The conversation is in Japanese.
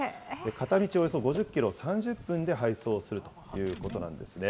片道およそ５０キロを３０分で配送するということなんですね。